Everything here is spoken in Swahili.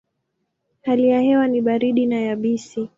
Hali ya hewa ni baridi na yabisi.